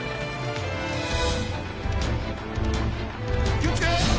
気をつけ！